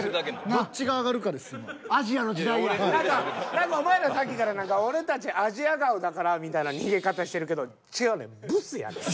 何かお前らさっきから俺たちアジア顔だからみたいな逃げ方してるけど違うねん。